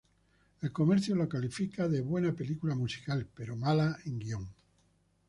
El Comercio la califica de "buena película musical, pero mala en guión".